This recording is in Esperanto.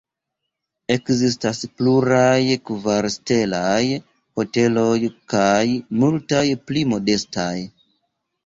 Ekzistas pluraj kvar-stelaj hoteloj kaj multaj pli modestaj.